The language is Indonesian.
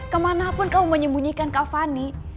kemanapun kamu menyembunyikan kak fani